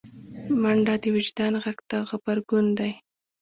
منډه د وجدان غږ ته غبرګون دی